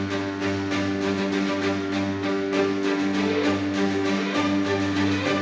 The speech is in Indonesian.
pada kedatangan rakyat indonesia